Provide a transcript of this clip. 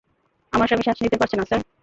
আমার স্বামী শ্বাস নিতে পারছে না, স্যার।